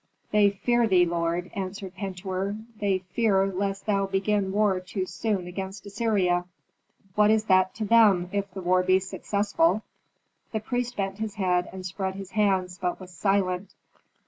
"They fear thee, lord," answered Pentuer. "They fear lest thou begin war too soon against Assyria?" "What is that to them if the war be successful?" The priest bent his head and spread his hands, but was silent.